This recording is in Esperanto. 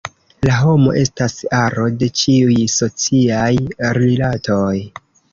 La homo estas aro de ĉiuj sociaj rilatoj.